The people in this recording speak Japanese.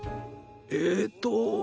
えっと。